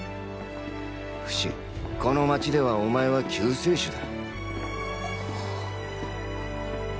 フシこの街ではお前は救世主だ。